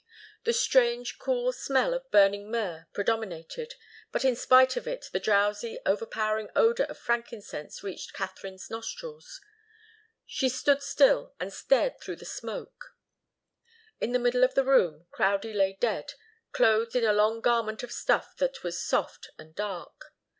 The strange, cool smell of burning myrrh predominated, but in spite of it the drowsy, overpowering odour of frankincense reached Katharine's nostrils. She stood still and stared through the smoke. In the middle of the room Crowdie lay dead, clothed in a long garment of stuff that was soft and dark.